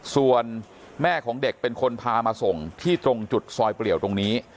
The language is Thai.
ส่วนแม่ของเด็กเป็นคนพามาส่งที่ตรงจุดซอยเปลี่ยวตรงนี้